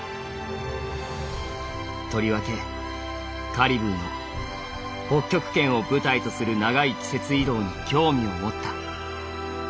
とりわけカリブーの北極圏を舞台とする長い季節移動に興味をもった。